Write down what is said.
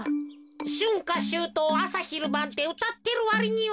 「しゅんかしゅうとうあさひるばん」ってうたってるわりには。